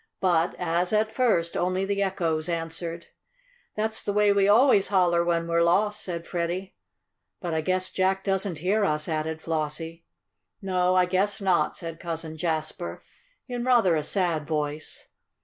But, as at first, only the echoes answered. "That's the way we always holler when we're lost," said Freddie. "But I guess Jack doesn't hear us," added Flossie. "No, I guess not," said Cousin Jasper, in rather a sad voice.